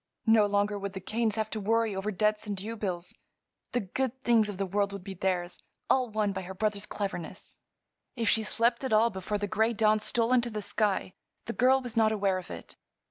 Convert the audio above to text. No longer would the Kanes have to worry over debts and duebills; the good things of the world would be theirs, all won by her brother's cleverness. If she slept at all before the gray dawn stole into the sky the girl was not aware of it.